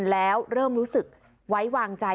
แล้วเริ่มรู้สึกไว้วางใจ